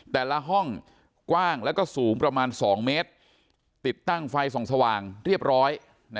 แต่ละห้องกว้างแล้วก็สูงประมาณ๒เมตรติดตั้งไฟส่องสว่างเรียบร้อย